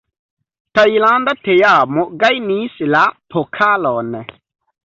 Tajlanda teamo gajnis la pokalon.